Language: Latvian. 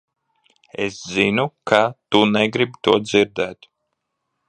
Es zinu, ka tu negribi to dzirdēt.